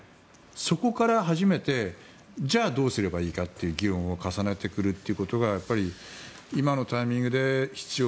そこから初めてじゃあどうすればいいかという議論を重ねてくることがやっぱり今のタイミングで必要。